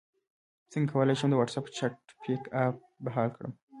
څنګه کولی شم د واټساپ چټ بیک اپ بحال کړم